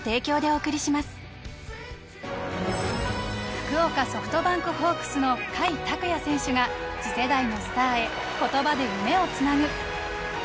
福岡ソフトバンクホークスの甲斐拓也選手が次世代のスターへ言葉で夢をつなぐ。